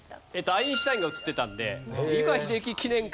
アインシュタインが映ってたんで。